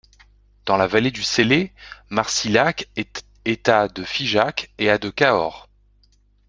Dans la vallée du Célé, Marcilhac est à de Figeac et à de Cahors.